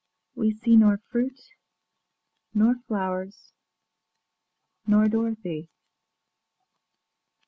ŌĆöWe see Nor fruit, nor flowers, nor Dorothy.